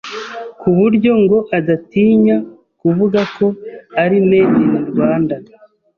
ku buryo ngo adatinya kuvuga ko ari ‘Made in Rwanda